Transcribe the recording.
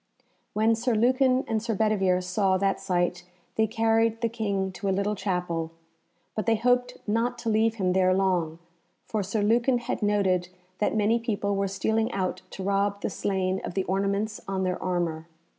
When Sir Lucan and Sir Bedivere saw that sight they carried the King to a little chapel, but they hoped not to leave him there long, for Sir Lucan had noted that many people were stealing out to rob the slain of the ornaments on their armour.